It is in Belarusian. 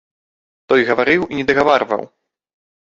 Той гаварыў і не дагаварваў.